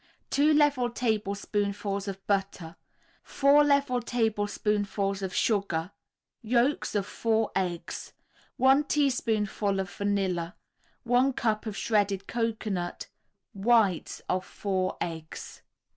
2 level tablespoonfuls of butter, 4 level tablespoonfuls of sugar, Yolks of 4 eggs, 1 teaspoonful of vanilla, 1 cup of shredded cocoanut, Whites of 4 eggs.